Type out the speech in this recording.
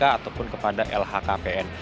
ataupun kepada lhkpn